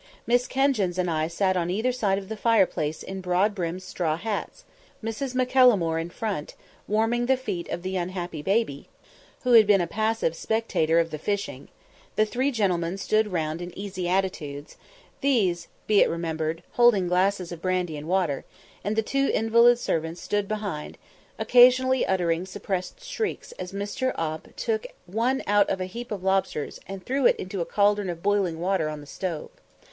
Miss Kenjins and I sat on either side of the fireplace in broad brimmed straw hats, Mrs. Maccallummore in front, warming the feet of the unhappy baby, who bad been a passive spectator of the fishing; the three gentlemen stood round in easy attitudes, these, be it remembered, holding glasses of brandy and water; and the two invalid servants stood behind, occasionally uttering suppressed shrieks as Mr. Oppe took one out of a heap of lobsters and threw it into a caldron of boiling water on the stove.